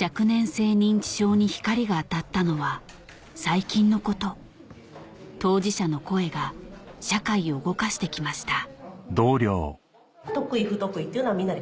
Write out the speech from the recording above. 若年性認知症に光が当たったのは最近のこと当事者の声が社会を動かしてきました・お！